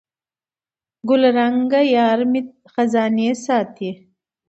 ګلرنګه یارمي خزانې ساتي